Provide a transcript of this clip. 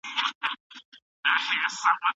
خو زموږ دروېش د وطن په هدیرو کې هم بل څه اوري